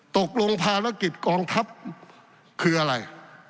ตกลงภารกิจกองทัพคืออะไร